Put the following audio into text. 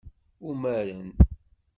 Umaren.